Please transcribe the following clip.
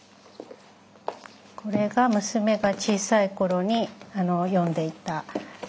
これが娘が小さい頃に読んでいた絵本です。